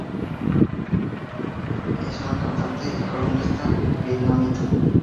Es una cantante y columnista vietnamita.